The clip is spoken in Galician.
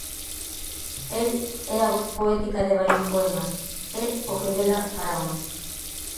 El é a voz poética de varios poemas, é o que vela faraóns.